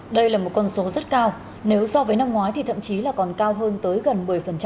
đây là một con số rất cao nếu so với năm ngoái thì thậm chí là còn cao hơn tới gần một mươi